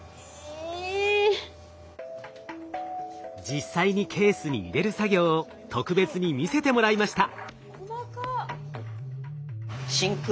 実際にケースに入れる作業を特別に見せてもらいました。